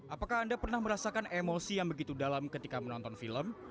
apakah anda pernah merasakan emosi yang begitu dalam ketika menonton film